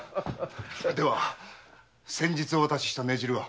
では先日お渡しした根汁は。